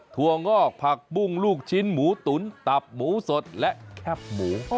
วงอกผักปุ้งลูกชิ้นหมูตุ๋นตับหมูสดและแคบหมู